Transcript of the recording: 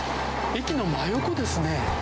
駅の真横ですね。